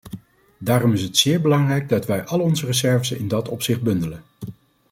Daarom is het zeer belangrijk dat wij al onze reserves in dat opzicht bundelen.